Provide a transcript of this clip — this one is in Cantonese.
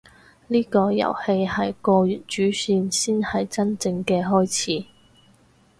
呢個遊戲係過完主線先係真正嘅開始